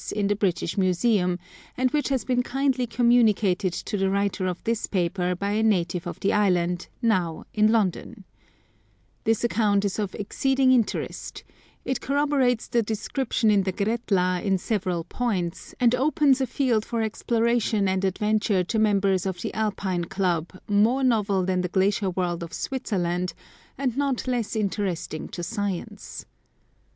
in the British Museum, and which has been kindly communicated to the writer of this paper by a native of the island, now in London. This account is of exceeding interest ; it corroborates the description in ' A blending is a changeling, or oHfc who is half troll, half honian. 219 Curiosities of Olden Times the Gretla in several points, and opens a field for exploration and adventure to members of the Alpine Club more novel than the glacier world of Switzerland, and not less interesting to science.